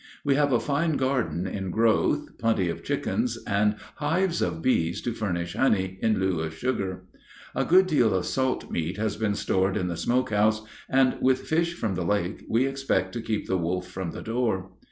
We have a fine garden in growth, plenty of chickens, and hives of bees to furnish honey in lieu of sugar. A good deal of salt meat has been stored in the smoke house, and, with fish from the lake, we expect to keep the wolf from the door.